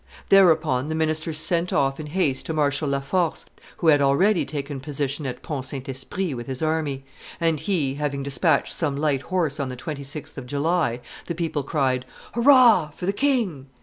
] Thereupon the ministers sent off in haste to Marshal La Force, who had already taken position at Pont Saint Esprit with his army; and, he having despatched some light horse on the 26th of July, the people cried, "Hurrah! for the king!"